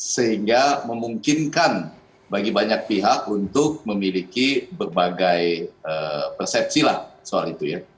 sehingga memungkinkan bagi banyak pihak untuk memiliki berbagai persepsi lah soal itu ya